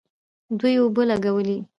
دوی اوبه لګولې.